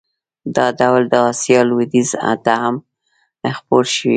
دا ډول د اسیا لوېدیځ ته هم خپور شوی و.